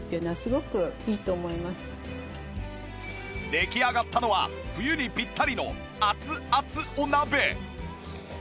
出来上がったのは冬にピッタリの熱々お鍋